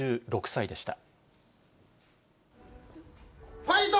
６６歳でした。